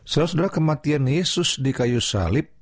saudara saudara kematian yesus di kayu salib